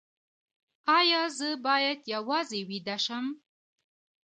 ایا زه باید یوازې ویده شم؟